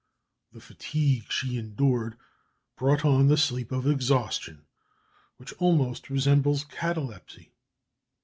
The fatigue she endured brought on the sleep of exhaustion, which almost resembles catalepsy.